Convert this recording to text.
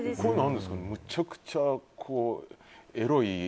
むちゃくちゃエロい。